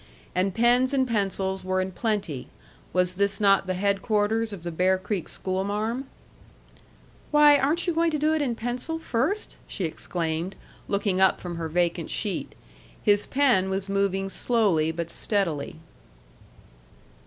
And pens and pencils were in plenty. Was this not the headquarters of the Bear Creek schoolmarm? "Why, aren't you going to do it in pencil first?" she exclaimed, looking up from her vacant sheet. His pen was moving slowly, but steadily.